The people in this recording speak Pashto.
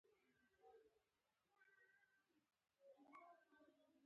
کلمې د نګهت لپې